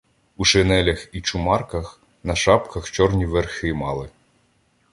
— У шинелях і чумарках, на шапках чорні верхи мали.